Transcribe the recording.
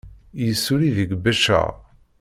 Yessulli deg Beccaṛ.